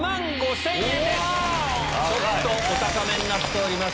ちょっとお高めになっております。